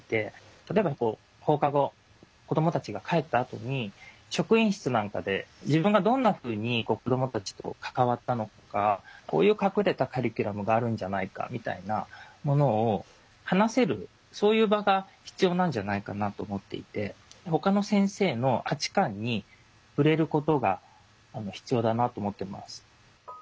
例えば放課後子どもたちが帰ったあとに職員室なんかで自分がどんなふうに子どもたちと関わったのかこういう隠れたカリキュラムがあるんじゃないかみたいなものを話せるそういう場が必要なんじゃないかなと思っていてほかの先生の価値観に触れることが必要だなと思ってます。